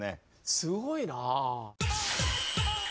すごいな。